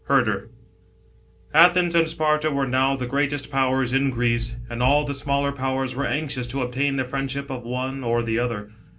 HERDER. ATHENS and Sparta were now the greatest Powers in Greece, and all the smaller Powers were anxious to obtain the friendship of one or the other.